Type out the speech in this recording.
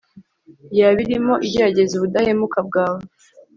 yaba irimo igerageza ubudahemuka bwawe